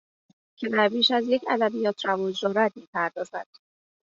که در بیش از یک ادبیات رواج دارد می پردازد